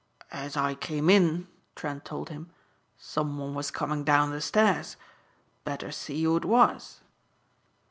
"As I came in," Trent told him, "some one was coming down the stairs. Better see who it was."